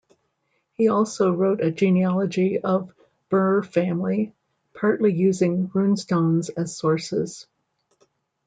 He also wrote a genealogy of Bure family, partly using runestones as sources.